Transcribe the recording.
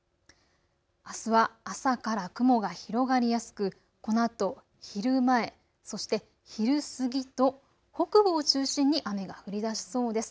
あすは朝から雲が広がりやすくこのあと昼前、そして昼過ぎと北部を中心に雨が降りだしそうです。